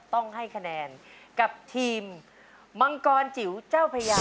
ต้องให้คะแนนกับทีมมังกรจิ๋วเจ้าพญา